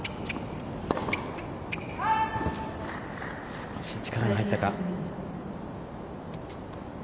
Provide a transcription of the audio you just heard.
少し力が入ったか。